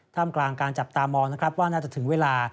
กลางการจับตามองนะครับว่าน่าจะถึงเวลา